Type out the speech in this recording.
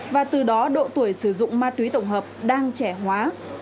và từ đó độ tuổi sử dụng ma túy tổng hợp đang trẻ hóa